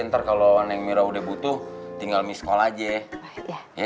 ntar kalau neng mira udah butuh tinggal miskol aja ya